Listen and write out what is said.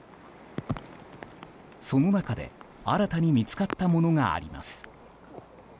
その中で、新たに見つかったものがあります。